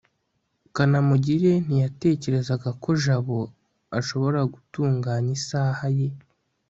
kanamugire ntiyatekerezaga ko jabo ashobora gutunganya isaha ye